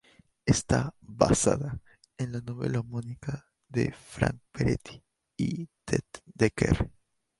Está basada en la novela homónima de Frank Peretti y Ted Dekker.